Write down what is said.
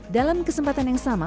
dalam kesempatan yang sama